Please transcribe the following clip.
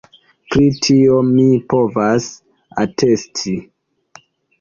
Pri tio mi povas atesti.